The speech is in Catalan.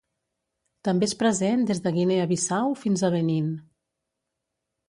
També és present des de Guinea Bissau fins a Benín.